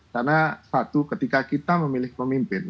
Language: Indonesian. karena satu ketika kita memilih pemimpin